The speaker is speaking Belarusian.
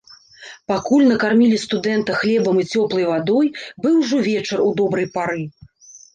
Пакуль накармілі студэнта хлебам і цёплай вадой, быў ужо вечар у добрай пары.